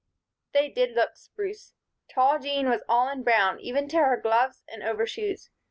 They did look "spruce." Tall Jean was all in brown, even to her gloves and overshoes.